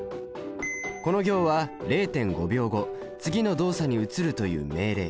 この行は０．５秒後次の動作に移るという命令。